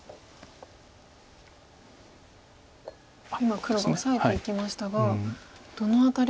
今黒がオサえていきましたがどの辺りが。